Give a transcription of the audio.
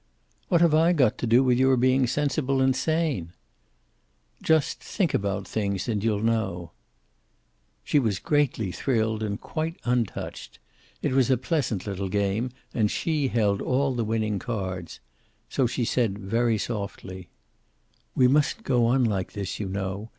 "What have I got to do with your being sensible and sane?" "Just think about things, and you'll know." She was greatly thrilled and quite untouched. It was a pleasant little game, and she held all the winning cards. So she said, very softly: "We mustn't go on like this, you know.